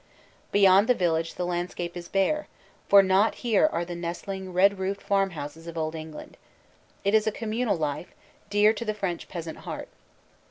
Beyond the village the landscape is bare, for not here are the nestling red roofed farmhouses of old England. It is a communal life, dear to the French peasant heart.